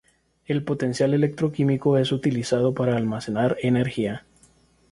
El potencial electroquímico es utilizado para almacenar energía.